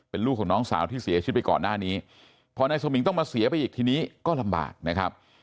เป็นลูกของน้องสาวที่เสียชีวิตไปก่อนหน้านี้พอนายสมิงต้องมาเสียไปอีกทีนี้ก็ลำบากนะครับ